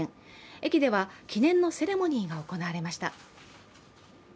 駅では記念のセレモニーが行われました。